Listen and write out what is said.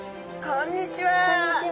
こんにちは。